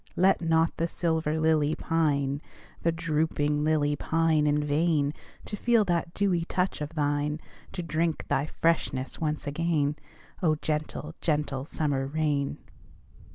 Let not the silver lily pine, The drooping lily pine in vain, To feel that dewy touch of thine, To drink thy freshness once again, Oh, gentle, gentle summer rain!